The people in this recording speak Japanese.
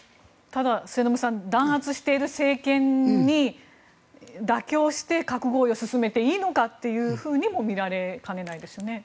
ただ、末延さん弾圧している政権に妥協して核合意を進めていいのかというふうにも見られかねないですよね。